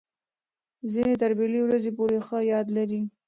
ځینې تر بلې ورځې پورې ښه یاد لري.